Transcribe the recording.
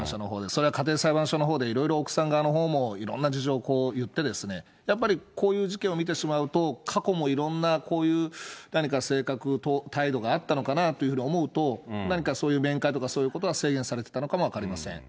それは家庭裁判所のほうで、いろいろ奥さん側のほうもいろんな事情を言ってですね、やっぱりこういう事件を見てしまうと、過去もいろんなこういう何か性格、態度があったのかなと思うと、何かそういう面会とか、そういうことは制限されていたのかも分かりません。